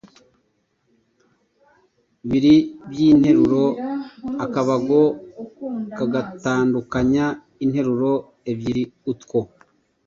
bibiri by’interuro, akabago kagatandukanya interuro ebyiri. Utwo